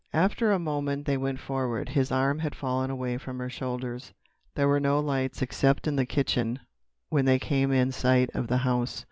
After a moment they went forward. His arm had fallen away from her shoulders. There were no lights except in the kitchen when they came in sight of the house.